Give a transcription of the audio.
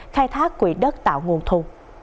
khai thác quỹ đất tạo nguồn thu